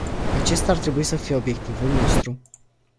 Acesta ar trebui să fie obiectivul nostru.